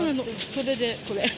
それでこれ。